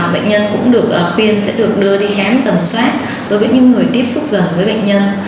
bệnh nhân cũng được khuyên sẽ được đưa đi khám tầm soát đối với những người tiếp xúc gần với bệnh nhân